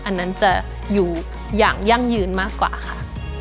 อันนั้นจะอยู่อย่างยั่งยืนมากกว่าค่ะ